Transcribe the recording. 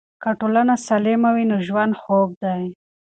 که ټولنه سالمه وي نو ژوند خوږ دی.